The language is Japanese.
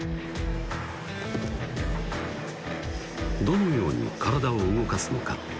どのように体を動かすのか？